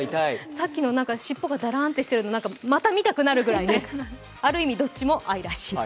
さっきの尻尾がだらんとしているのまた見たくなるくらい、ある意味、どっちも愛らしい。